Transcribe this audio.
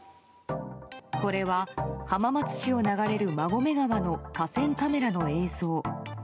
これは浜松市を流れる馬込川の河川カメラの映像。